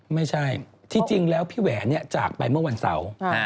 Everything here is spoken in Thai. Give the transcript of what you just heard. ไม่ใช่ที่จริงแล้วพี่แหวนจากไปเมื่อวันเสาร์